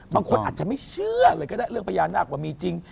บางคนอาจจะไม่เชื่อเลยก็ได้เรื่องพญานาคว่ามีจริง